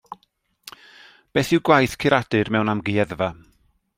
Beth yw gwaith curadur mewn amgueddfa?